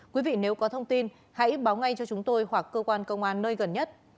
quý vị nếu có thông tin hãy báo ngay cho chúng tôi hoặc cơ quan công an nơi gần nhất